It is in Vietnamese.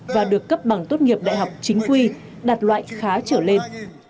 và được cấp bằng tốt nghiệp đại học chính quy đạt loại khá trở lên